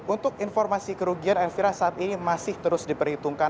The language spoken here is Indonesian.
untuk informasi kerugian elvira saat ini masih terus diperhitungkan